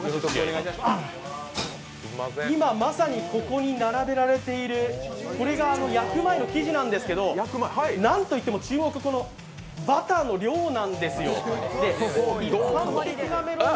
あっ、今まさにここに並べられているこれが焼く前の生地なんですが、なんといっても注目のバターの量なんですよ。